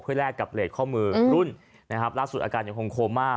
เพื่อแลกกับเหลดข้อมือรุ่นล่าสุดอาการยังคงโคม่า